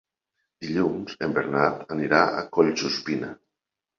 Dilluns en Bernat anirà a Collsuspina.